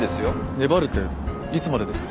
粘るっていつまでですか？